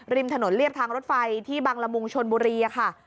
ริมถนนเรียบทางรถไฟที่บังละมุงชนบุรีค่ะ